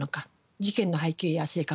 事件の背景や性格